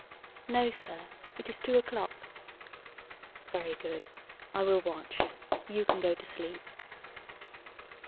"No, sir. It is two o'clock." "Very good. I will watch. You can go to sleep."